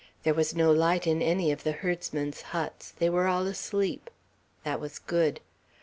There was no light in any of the herdsmen's huts. They were all asleep. That was good.